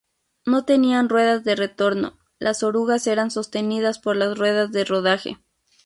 No tenían ruedas de retorno; las orugas eran sostenidas por las ruedas de rodaje.